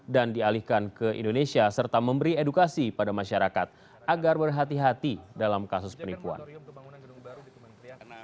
dan dialihkan ke indonesia serta memberi edukasi pada masyarakat agar berhati hati dalam kasus penipuan